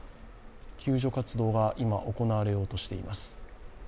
救助活動が今、行われようとしています。